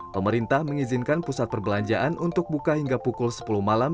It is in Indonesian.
pemerintah mengizinkan pusat perbelanjaan untuk buka hingga pukul sepuluh malam